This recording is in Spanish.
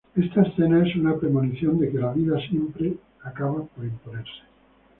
Esta escena es una premonición de que la vida siempre acaba por imponerse.